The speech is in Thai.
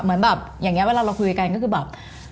เหมือนแบบอย่างนี้เวลาเราคุยกันก็คือแบบ